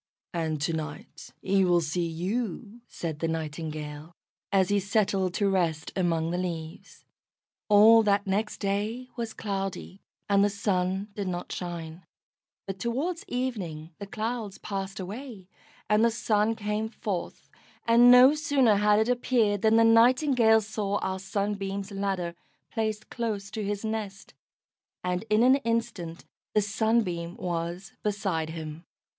"And to night he will see you," said the Nightingale, as he settled to rest among the leaves. All that next day was cloudy, and the Sun did not shine, but towards evening the clouds passed away and the Sun came forth, and no sooner had it appeared than the Nightingale saw our Sunbeam's ladder placed close to his nest, and in an instant the Sunbeam was beside him.